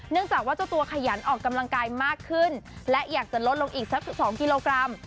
จากว่าเจ้าตัวขยันออกกำลังกายมากขึ้นและอยากจะลดลงอีกสัก๒กิโลกรัม